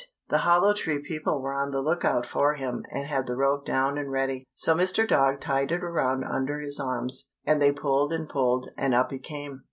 The Hollow Tree people were on the lookout for him and had the rope down and ready. So Mr. Dog tied it around under his arms, and they pulled and pulled, and up he came.